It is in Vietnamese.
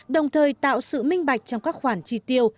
đồng thời tạo sự minh bạch trong các khoản chi tiêu